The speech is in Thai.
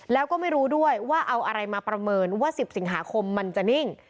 แล้วก็ไม่รู้ด้วยว่าเอาอะไรมาประเมินว่า๑๐สิงหาคมมันจะนิ่ง